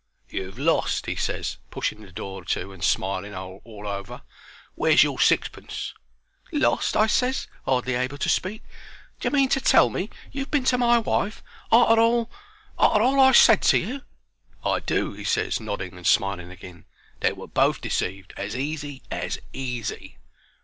"You've lost," he ses, pushing the door to and smiling all over. "Where's your sixpence?" "Lost?" I ses, hardly able to speak. "D'ye mean to tell me you've been to my wife arter all arter all I said to you?" "I do," he ses, nodding, and smiling agin. "They were both deceived as easy as easy."